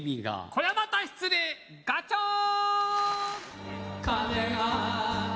これりゃまた失礼ガチョーン！